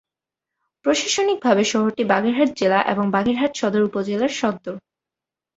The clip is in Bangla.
প্রশাসনিকভাবে শহরটি বাগেরহাট জেলা এবং বাগেরহাট সদর উপজেলার সদর।